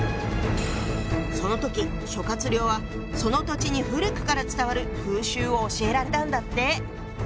その時諸亮はその土地に古くから伝わる風習を教えられたんだって。